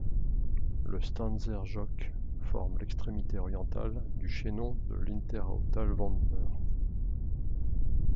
Le Stanser Joch forme l'extrémité orientale du chaînon de Hinterautal-Vomper.